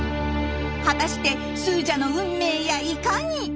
果たしてスージャの運命やいかに？